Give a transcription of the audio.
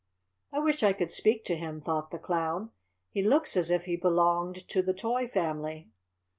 "I wish I could speak to him," thought the Clown. "He looks as if he belonged to the toy family."